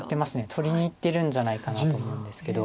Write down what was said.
取りにいってるんじゃないかなと思うんですけど。